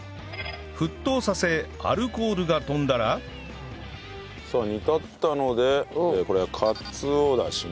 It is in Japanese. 沸騰させアルコールが飛んだらさあ煮立ったのでこれはかつおダシね。